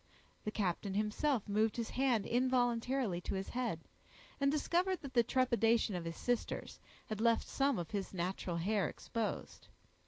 The captain himself moved his hand involuntarily to his head, and discovered that the trepidation of his sisters had left some of his natural hair exposed.